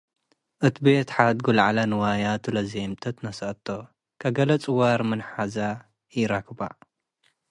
እት ቤት ሓድጉ ለዐለ ንዋያቱ ለዜምተት ነስአቶ፡ ከገሌ ጽዋር ምን ሐዘ ኢረክበ።